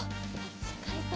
しっかりと。